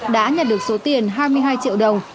đã nhận được số tiền hai mươi hai triệu đồng